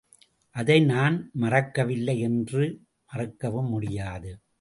அதை நான் மறக்க வில்லை என்றும் மறக்கவும் முடியாது.